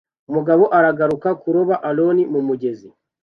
Umugabo araguruka kuroba Alon mumugezi